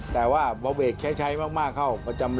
แต่ว่าเบรกใช้มากเข้า